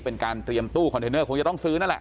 เป็นการเตรียมตู้คอนเทนเนอร์คงจะต้องซื้อนั่นแหละ